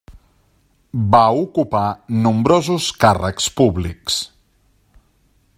Va ocupar nombrosos càrrecs públics.